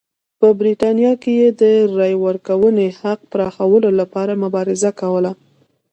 په برېټانیا کې یې د رایې ورکونې حق پراخولو لپاره مبارزه کوله.